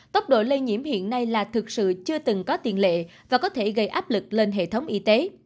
tốc độ lây nhiễm hiện nay là thực sự chưa từng có tiền lệ và có thể gây áp lực lên hệ thống y tế